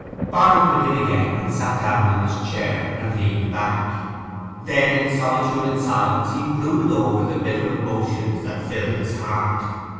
Barnet went in again, sat down in his chair, and leaned back. Then in solitude and silence he brooded over the bitter emotions that filled his heart.